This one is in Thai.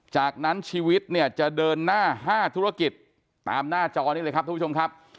จากนั้นชีวิตเนี่ยจะเดินหน้า๕ธุรกิจตามหน้าจอนี้เลยครับทุกผู้ชมครับ